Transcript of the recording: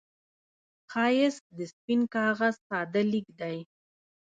ښایست د سپين کاغذ ساده لیک دی